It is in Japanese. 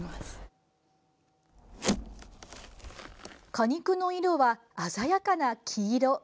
果肉の色は鮮やかな黄色。